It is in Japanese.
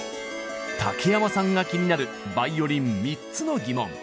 竹山さんが気になるバイオリン３つのギモン。